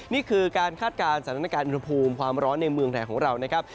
นี่คือการคาดการณ์สถานการณ์อุณหภูมิความร้อนในเมืองไทยของเรานะครับ